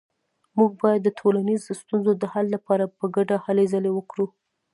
موږ باید د ټولنیزو ستونزو د حل لپاره په ګډه هلې ځلې وکړو